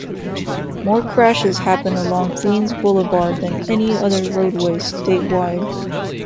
More crashes happen along Queens Boulevard than any other roadway statewide.